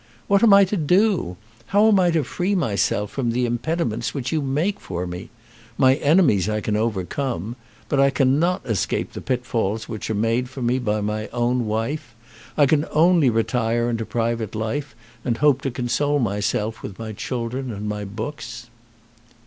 What am I to do? How am I to free myself from the impediments which you make for me? My enemies I can overcome, but I cannot escape the pitfalls which are made for me by my own wife. I can only retire into private life and hope to console myself with my children and my books."